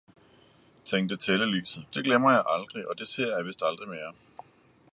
tænkte tællelyset, det glemmer jeg aldrig, og det ser jeg vist aldrig mere!